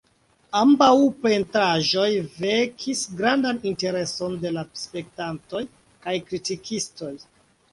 Ambaŭ pentraĵoj vekis grandan intereson de la spektantoj kaj kritikistoj.